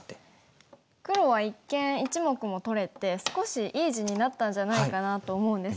黒は一見１目も取れて少しいい地になったんじゃないかなと思うんですが。